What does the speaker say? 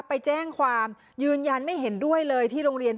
ไปแจ้งความยืนยันไม่เห็นด้วยเลยที่โรงเรียน